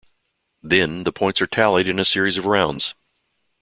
Then, the points are tallied in a series of rounds.